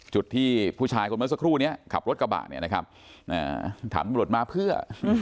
จุดที่ผู้ชายคนเมื่อสักครู่ขับรถกระบะถามบริโรตมาเพื่อ